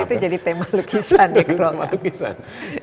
hal itu jadi tema lukisan ya keroan